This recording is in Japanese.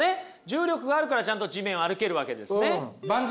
重力があるからちゃんと地面を歩けるわけですね。